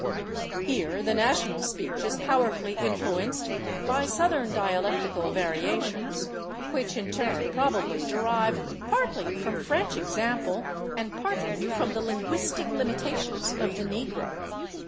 Here the national speech is powerfully influenced by Southern dialectical variations, which in turn probably derive partly from French example and partly from the linguistic limitations of the negro.